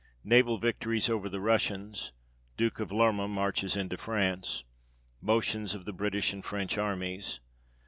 Naval victories over the Russians. Duke of Lerma marches into France. Motions of the British and French armies.